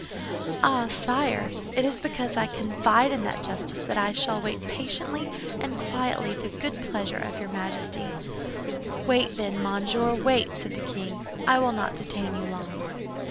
"Ah, sire; it is because I confide in that justice that I shall wait patiently and quietly the good pleasure of your Majesty." "Wait, then, monsieur, wait," said the king; "I will not detain you long."